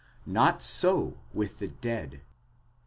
Not so with the dead.